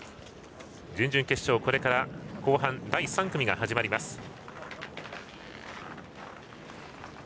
準々決勝はこれから後半、第３組が始まります。